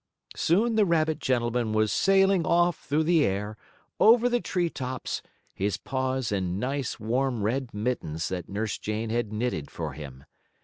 Soon the rabbit gentleman was sailing off through the air, over the tree tops, his paws in nice, warm red mittens that Nurse Jane had knitted for him.